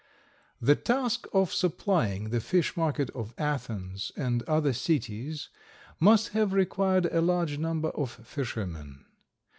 The task of supplying the fish market of Athens and other cities must have required a large number of fishermen.